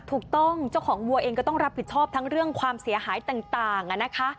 ถูกต้องเจ้าของวัวเองก็ต้องรับผิดชอบทั้งเรื่องความเสียหายต่างนะคะ